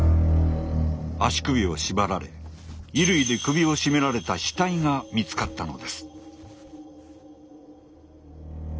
足首を縛られ衣類で首を絞められた死体が見つかったのです。